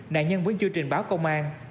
đại nhân vẫn chưa trình báo công an